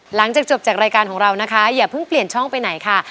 หลังจากจบจากรายการของเรานะคะอย่าเพิ่งเปลี่ยนช่องไปไหนค่ะ